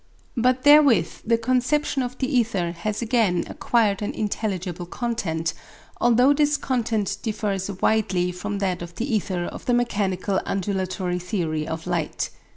But therewith the conception of the ether has again acquired an intelligible content, although this content differs widely from that of the ether of the mechanical undulatory theory of light.